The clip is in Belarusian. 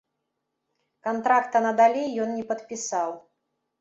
Кантракта надалей ён не падпісаў.